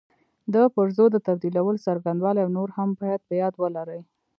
د پرزو د تبدیلولو څرنګوالي او نور هم باید په یاد ولري.